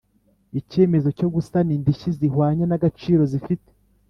icyemezo cyo gusana indishyi zihwanye n agaciro zifite